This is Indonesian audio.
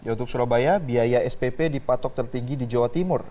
untuk surabaya biaya spp dipatok tertinggi di jawa timur